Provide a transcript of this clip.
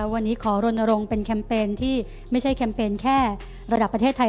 วันนี้ขอรณรงค์เป็นแคมเปญที่ไม่ใช่แคมเปญแค่ระดับประเทศไทย